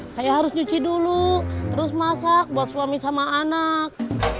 saya harus cuci dulu terus masak buat suami sama anak